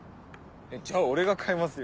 じゃあ俺が買いますよ。